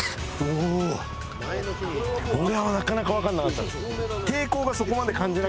これはなかなか分かんなかったです。